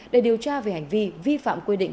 để điều tra về hành vi vi phạm quy định